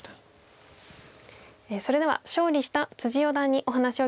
それでは勝利した四段にお話を聞きたいと思います。